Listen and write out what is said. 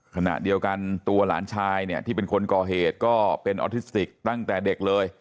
ขณะเดียวกันตัวหลานชายเนี่ยที่เป็นคนก่อเหตุก็เป็นออทิสติกตั้งแต่เด็กเลย